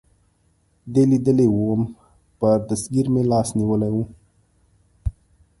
دې لیدلی ووم، پر دستګیر مې لاس نیولی و.